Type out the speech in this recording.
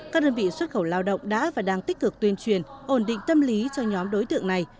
các đơn vị xuất khẩu lao động đã và đang tích cực tuyên truyền ổn định tâm lý cho nhóm đối tượng này